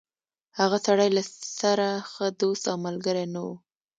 هغه سړی له سره ښه دوست او ملګری نه و.